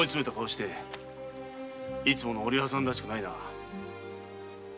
いつものおりはさんらしくないな。